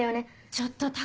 ちょっと匠！